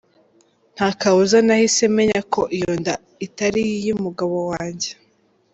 Ntakabuza nahise menya ko iyo nda itari iy’umugabo wanjye.